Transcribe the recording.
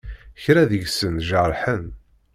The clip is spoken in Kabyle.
Kra deg-sen jerḥen.